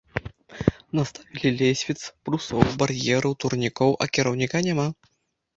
Наставілі лесвіц, брусоў, бар'ераў, турнікоў, а кіраўніка няма.